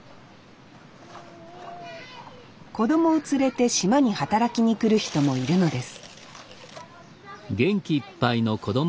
子どもを連れて島に働きに来る人もいるのです